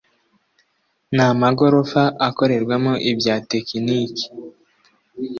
n amagorofa akorerwamo ibya tekiniki